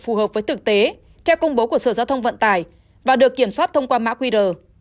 phù hợp với thực tế theo công bố của sở giao thông vận tải và được kiểm soát thông qua mã qr